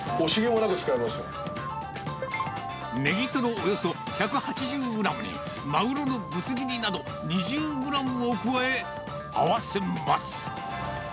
およそ１８０グラムに、マグロのぶつ切りなど２０グラムを加え合わせます。